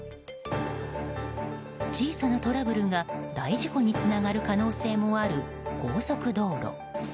小さなトラブルが大事故につながる可能性もある高速道路。